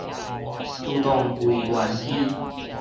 自動櫃員機